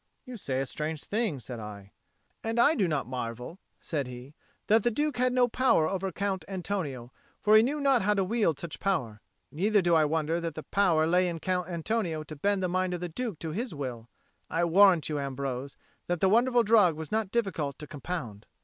"You say a strange thing," said I. "And I do not marvel," said he, "that the Duke had no power over Count Antonio, for he knew not how to wield such power. But neither do I wonder that power lay in Count Antonio to bend the mind of the Duke to his will. I warrant you, Ambrose, that the wonderful drug was not difficult to compound."